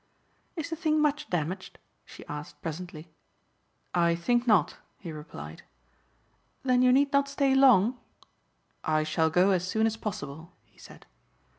"Is the thing much damaged?" she asked presently. "I think not," he replied. "Then you need not stay long?" "I shall go as soon as possible," he said.